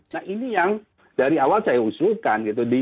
nah ini yang dari awal saya usulkan gitu